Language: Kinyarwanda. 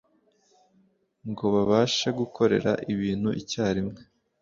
ngo babashe gukorera ibintu icyarimwe.